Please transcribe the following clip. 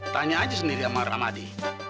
tanya aja sendiri sama ramadi